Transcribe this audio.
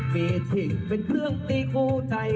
มีทิ้งเป็นเพื่องตีครูใจ